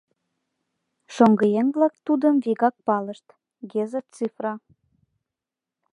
Шоҥгыеҥ-влак тудым вигак палышт: Геза Цифра.